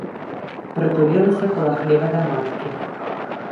Прытуліліся палахліва да маткі.